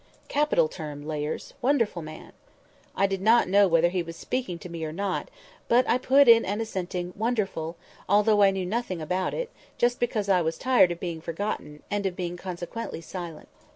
"Capital term—'layers!' Wonderful man!" I did not know whether he was speaking to me or not; but I put in an assenting "wonderful," although I knew nothing about it, just because I was tired of being forgotten, and of being consequently silent.